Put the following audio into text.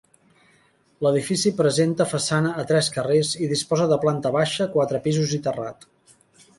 L'edifici presenta façana a tres carrers i disposa de planta baixa, quatre pisos i terrat.